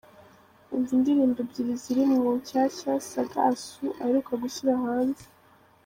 Umva indirimbo ebyiri ziri mu nshyashya Saga Assou aheruka gushyira hanze:.